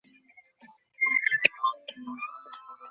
একই জিনিস পেয়েছি।